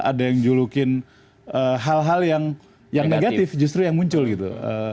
ada yang julukin hal hal yang negatif justru yang muncul gitu